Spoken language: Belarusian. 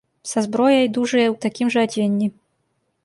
Са зброяй, дужыя, у такім жа адзенні.